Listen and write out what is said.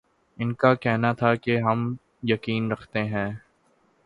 ان کا کہنا تھا کہ ہم یقین رکھتے ہیں